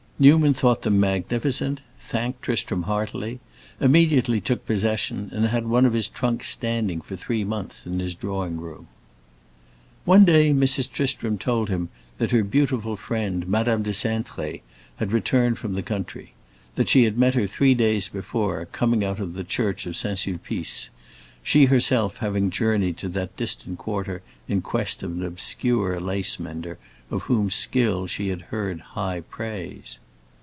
Newman thought them magnificent, thanked Tristram heartily, immediately took possession, and had one of his trunks standing for three months in his drawing room. One day Mrs. Tristram told him that her beautiful friend, Madame de Cintré, had returned from the country; that she had met her three days before, coming out of the Church of St. Sulpice; she herself having journeyed to that distant quarter in quest of an obscure lace mender, of whose skill she had heard high praise.